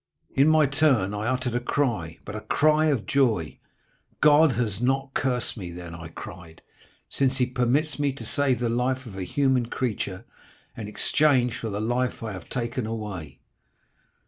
In my turn I uttered a cry, but a cry of joy. "'God has not cursed me then,' I cried, 'since he permits me to save the life of a human creature, in exchange for the life I have taken away.